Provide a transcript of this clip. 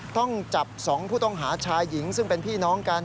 ต้องจับ๒ผู้ต้องหาชายหญิงซึ่งเป็นพี่น้องกัน